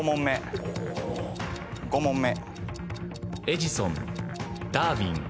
５問目。